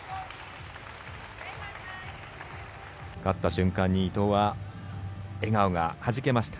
勝った瞬間に伊藤は笑顔がはじけました。